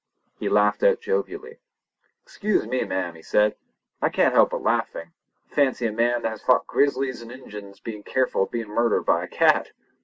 He laughed out jovially. "Excuse me, ma'am," he said, "but I can't help laughin'. Fancy a man that has fought grizzlies an' Injuns bein' careful of bein' murdered by a cat!"